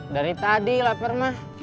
dari tadi lapar mah